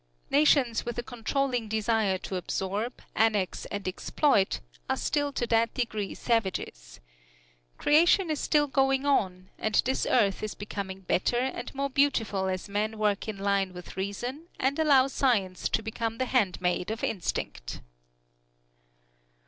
Nations with a controlling desire to absorb, annex and exploit are still to that degree savages. Creation is still going on, and this earth is becoming better and more beautiful as men work in line with reason and allow science to become the handmaid of instinct.